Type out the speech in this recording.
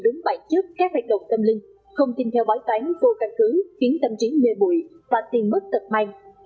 đồng tâm linh không tin theo bói toán vô căn cứ khiến tâm trí mê bụi và tiền mất tật may